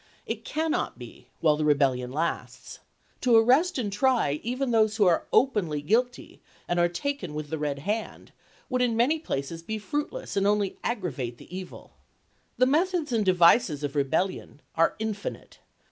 It cannot be while the Rebellion lasts. To arrest and try even those who are openly guilty, and are taken with the red hand, would in many places be fruitless, and only aggravate the evil. The meth ods and devices of rebellion are infinite.